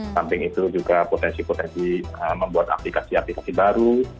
samping itu juga potensi potensi membuat aplikasi aplikasi baru